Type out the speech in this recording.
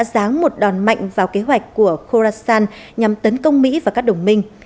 sáng một đòn mạnh vào kế hoạch của khorasan nhằm tấn công mỹ và các đồng minh